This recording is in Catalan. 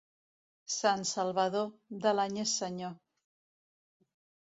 Sant Salvador, de l'any és senyor.